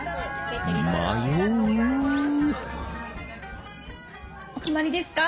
迷うお決まりですか？